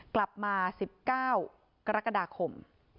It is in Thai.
กลับมา๑๙กรกฎาคม